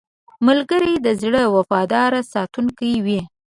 ملګری د زړه وفادار ساتونکی وي